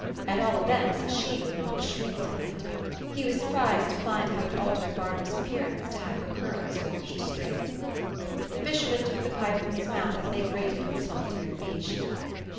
At all events, she would not have shrieked at it. He was surprised to find how it altered Barbara's appearance to have her curls washed straight. The fisherman took the pipe from his mouth as they grated on the solitary beach.